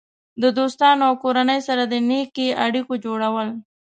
د دوستانو او کورنۍ سره د نیکې اړیکې جوړول.